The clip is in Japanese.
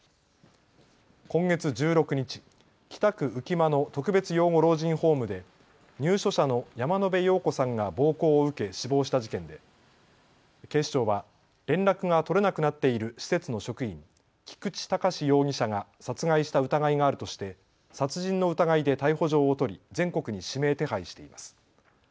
今月１６日、北区浮間の特別養護老人ホームで入所者の山野邉陽子さんが暴行を受け死亡した事件で警視庁は連絡が取れなくなっている施設の職員、菊池隆容疑者が殺害した疑いがあるとして殺人の疑いで逮捕状を取り全国に指名手配しています。